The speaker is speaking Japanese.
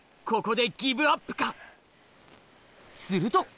ここでギブアップか⁉すると！